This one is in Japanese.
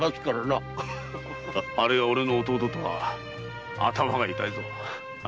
あれが俺の弟とは頭が痛いぞ。